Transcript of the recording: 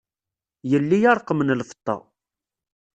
Yelli a ṛqem n lfeṭṭa.